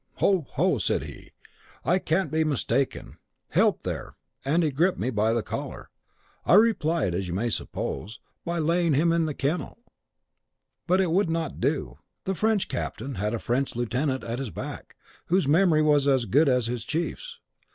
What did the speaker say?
'Ho, ho!' said he; 'I can't be mistaken; help there!' and he griped me by the collar. I replied, as you may suppose, by laying him in the kennel; but it would not do. The French captain had a French lieutenant at his back, whose memory was as good as his chief's.